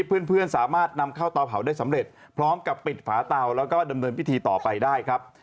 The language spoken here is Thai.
เพื่อนสามารถนำเข้าเตาเผาได้สำเร็จพร้อมกับปิดฝาเตาแล้วก็ดำเนินพิธีต่อไปได้ครับ